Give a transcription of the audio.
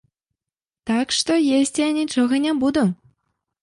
Так што, есці я нічога не буду!